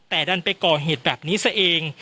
แต่ดันไปก่อเหตุแบบนี้ซะเอง